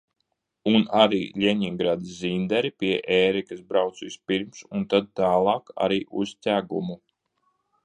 Un arī Ļeņingradas Zinderi pie Ērikas brauc vispirms un tad tālāk arī uz Ķegumu.